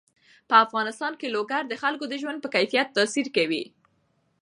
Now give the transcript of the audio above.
په افغانستان کې لوگر د خلکو د ژوند په کیفیت تاثیر کوي.